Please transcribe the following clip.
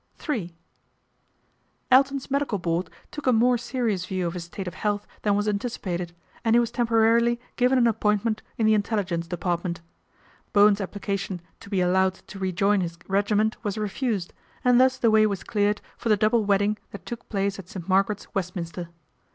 ill Elton's medical board took a more serious view of his state of health than was anticipated, and he was temporarily given an appointment in the In telligence Department. Bowen's application to be allowed to rejoin his regiment was refused, and thus the way was cleared for the double wedding that took place at St. Margaret's, Westminster.